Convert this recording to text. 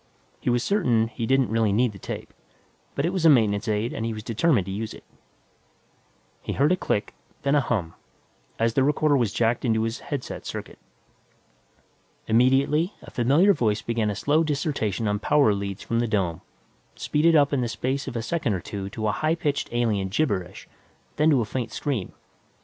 He was certain he didn't really need the tape, but it was a maintenance aid and he was determined to use it. He heard a click, then a hum, as the recorder was jacked into his headset circuit. Immediately, a familiar voice began a slow dissertation on power leads from the dome, speeded up in the space of a second or two to a high pitched alien gibberish, then to a faint scream.